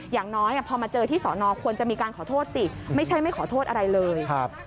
อย่างน้อยพอมาเจอที่สอนอควรจะมีการขอโทษสิไม่ใช่ไม่ขอโทษอะไรเลย